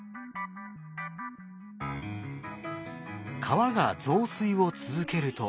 川が増水を続けると。